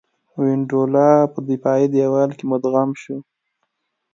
وینډولا په دفاعي دېوال کې مدغم شو.